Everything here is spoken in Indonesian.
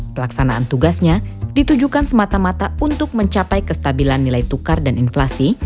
pelaksanaan tugasnya ditujukan semata mata untuk mencapai kestabilan nilai tukar dan inflasi